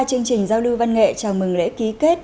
chương trình giao lưu văn nghệ chào mừng lễ ký kết